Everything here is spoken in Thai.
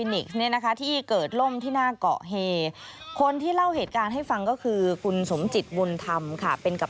ไปดำน้ำที่เกาะราชา